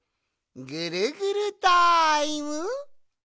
ぐるぐるタイム！